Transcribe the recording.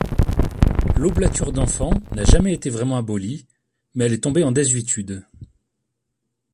L'oblature d'enfant n'a jamais été vraiment abolie, mais elle est tombée en désuétude.